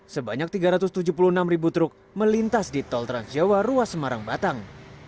sebanyak tiga ratus tujuh puluh enam ribu truk melintas di tol transjawa ruas semarang batang